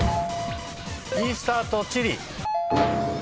イースター島チリ。